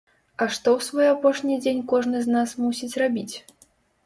А што ў свой апошні дзень кожны з нас мусіць рабіць?